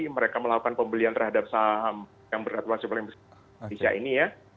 mereka melakukan pembelian terhadap saham yang berat ruas yang paling besar indonesia ini ya